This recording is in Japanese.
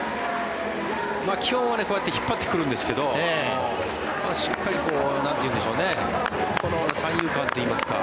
基本はこうやって引っ張ってくれるんですけどしっかり三遊間といいますか